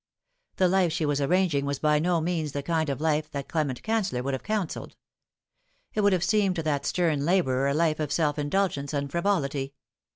The life she was arranging was by no means the kind of life Clement Canceller would have counselled. It would have seemed to that stern labourer a life of self indulgence and frivolity.